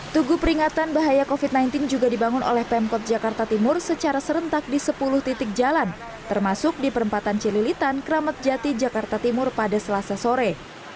tugu peringatan bahaya covid sembilan belas juga dibangun oleh pemkot jakarta timur secara serentak di sepuluh titik jalan termasuk di perempatan cililitan kramat jati jakarta timur pada selasa sore